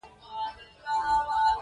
آهنګر خپلې تورې ته لاس کړ.